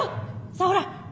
さあほら！